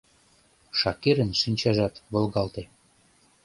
Шакирын шинчажат волгалте.